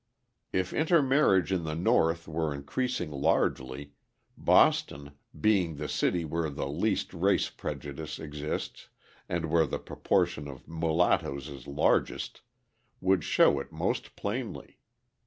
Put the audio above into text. If intermarriage in the North were increasing largely, Boston, being the city where the least race prejudice exists and where the proportion of mulattoes is largest, would show it most plainly.